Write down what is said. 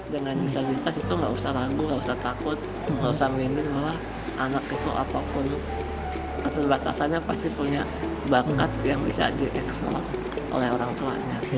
dengan disabilitas itu nggak usah ragu gak usah takut nggak usah mengingat malah anak itu apapun keterbatasannya pasti punya bakat yang bisa dieksplor oleh orang tuanya